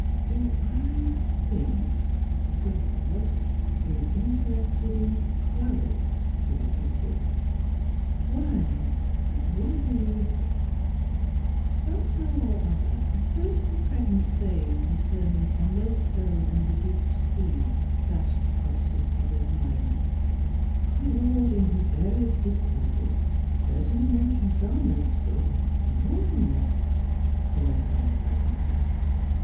" Do I think — God — is interested in '— clothes ?" he repeated. " Why — er — really —" Somehow or other a certain pregnant saying concerning a mill stone and the Miss Fhilura's Wedding Gown deep sea flashed across his troubled mind. " Our Lord in his various discourses certainly mentioned garments — ah — more than once," he went on presently.